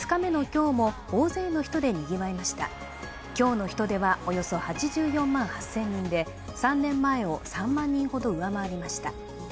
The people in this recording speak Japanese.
今日の人出はおよそ８４万８０００人で３年前を３万人ほど上回りました。